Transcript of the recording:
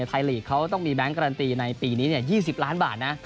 ไทยลีกเขาต้องมีแบงค์การันตีในปีนี้๒๐ล้านบาทนะ